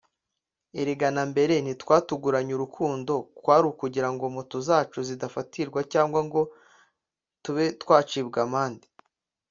’’Erega na mbere ntitwatuguranye urukundo kwari ukugirango moto zacu zidafatirwa cyangwa ngo tube twacibwa amande